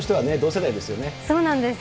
そうなんです。